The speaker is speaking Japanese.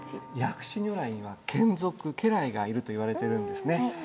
薬師如来には眷属家来がいるといわれてるんですね。